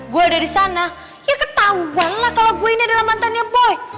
gue ada di sana ya ketahuan lah kalau gue ini adalah mantannya boy